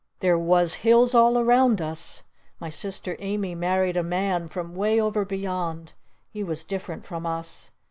There was hills all around us! My sister Amy married a man from way over beyond! He was different from us!